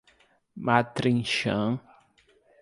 Matrinchã